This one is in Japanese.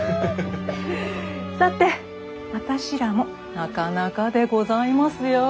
さて私らもなかなかでございますよ！